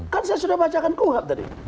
kan saya sudah bacakan kuhap tadi